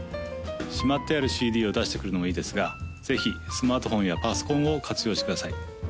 しまってあるＣＤを出してくるのもいいですがぜひスマートフォンやパソコンを活用してください